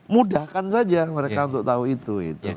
mudahkan saja mereka untuk tahu itu